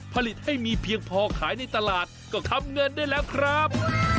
ผลิตให้มีเพียงพอขายในตลาดก็ทำเงินได้แล้วครับ